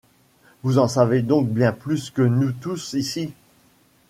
Vous en savez donc bien plus que nous tous ici.